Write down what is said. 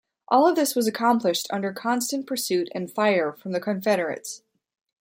All of this was accomplished under constant pursuit and fire from the Confederates.